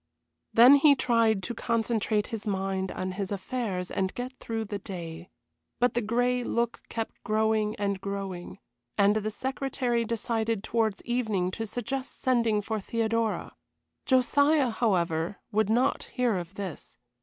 Then he tried to concentrate his mind on his affairs and get through the day. But the gray look kept growing and growing, and the secretary decided towards evening to suggest sending for Theodora. Josiah, however, would not hear of this.